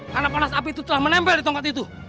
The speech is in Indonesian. karena panas api itu telah menempel di tongkat itu